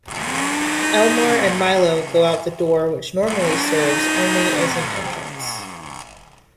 Elmore and Milo go out the door which normally serves only as an entrance.